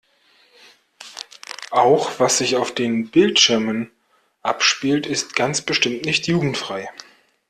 Auch was sich auf den Bildschirmen abspielt ist ganz bestimmt nicht jugendfrei.